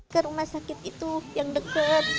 ke rumah sakit itu yang dekat